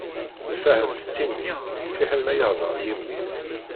Lfahem s timmi, fiḥel ma yehdeṛ yimi.